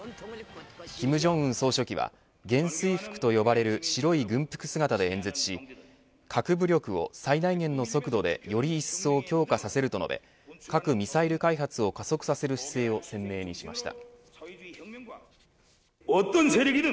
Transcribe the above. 金正恩総書記は元帥服と呼ばれる白い軍服姿で演説し核武力を最大限の速度でよりいっそう強化させると述べ核ミサイル開発を加速させる姿勢を鮮明にしました。